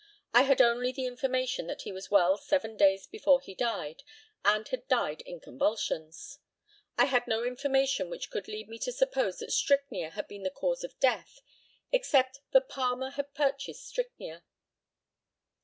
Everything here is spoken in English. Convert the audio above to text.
I had only the information that he was well seven days before he died, and had died in convulsions. I had no information which could lead me to suppose that strychnia had been the cause of death, except that Palmer had purchased strychnia.